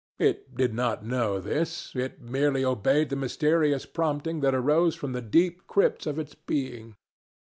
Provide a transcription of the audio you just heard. It did not know this. It merely obeyed the mysterious prompting that arose from the deep crypts of its being.